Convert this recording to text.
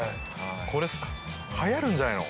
これはやるんじゃないの？